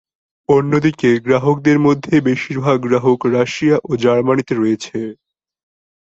অন্যদিকে গ্রাহকদের মধ্যে বেশিরভাগ গ্রাহক রাশিয়া ও জার্মানিতে রয়েছে।